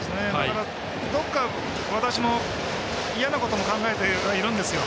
私も嫌なことを考えてはいるんですよ。